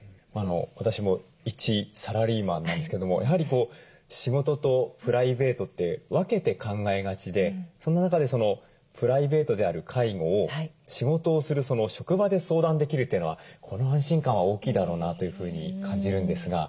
私も一サラリーマンなんですけどもやはり仕事とプライベートって分けて考えがちでその中でプライベートである介護を仕事をする職場で相談できるというのはこの安心感は大きいだろうなというふうに感じるんですが。